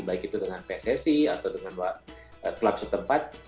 baik itu dengan pssi atau dengan klub setempat